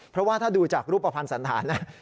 เพราะว่าถ้าดูจากรูปประพันธ์สันฐาน